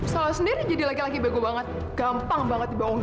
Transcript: salah sendiri jadi laki laki bego banget gampang banget dibawah